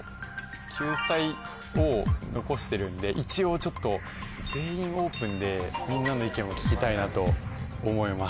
救済を残してるんで一応ちょっと「全員オープン」でみんなの意見も聞きたいなと思います。